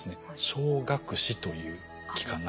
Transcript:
小顎髭という器官なんですね。